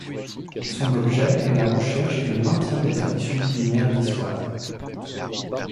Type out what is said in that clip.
Son objet est la recherche et le maintien des traditions culinaires niçoises.